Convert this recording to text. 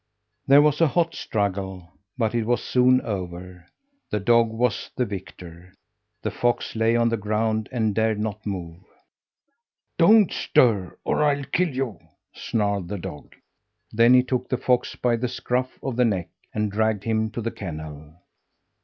There was a hot struggle, but it was soon over. The dog was the victor. The fox lay on the ground and dared not move. "Don't stir or I'll kill you!" snarled the dog. Then he took the fox by the scruff of the neck and dragged him to the kennel.